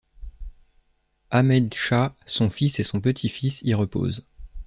Ahmed Shah, son fils et son petit-fils y reposent.